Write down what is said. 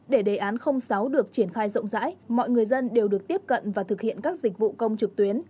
để đề án sáu được triển khai rộng rãi mọi người dân đều được tiếp cận và thực hiện các dịch vụ công trực tuyến